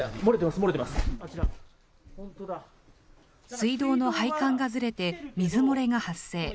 水道の配管がずれて、水漏れが発生。